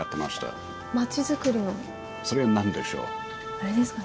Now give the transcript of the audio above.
あれですかね。